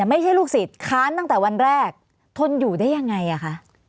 ไม่ใช่ลูกศิษย์ค้านตั้งแต่วันแรกทนอยู่ได้ยังไงอ่ะคะ